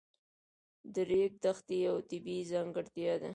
د ریګ دښتې یوه طبیعي ځانګړتیا ده.